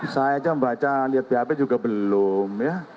saya aja membaca lihat bap juga belum ya